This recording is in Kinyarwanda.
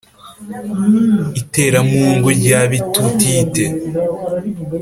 i tera - m pungu rya b itutite